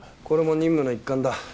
これも任務の一環だ。